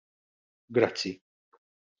Grazzi.